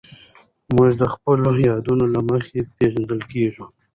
موږ د خپلو یادونو له مخې پېژندل کېږو.